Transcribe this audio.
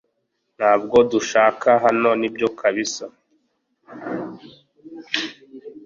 Ntabwo dushaka hano nibyo kabisa